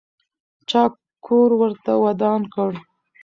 چا کور ورته ودان کړ؟